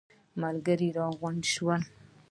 ملګري راغونډ شول.